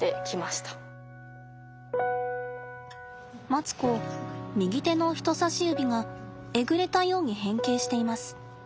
マツコ右手の人さし指がえぐれたように変形しています。